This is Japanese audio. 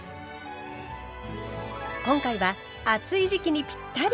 今回は暑い時期にぴったり！